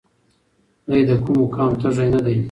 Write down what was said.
دی د کوم مقام تږی نه دی.